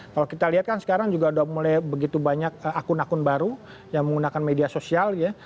kalau kita lihat kan sekarang juga sudah mulai begitu banyak akun akun baru yang menggunakan media sosial ya